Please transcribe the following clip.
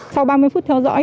sau ba mươi phút theo dõi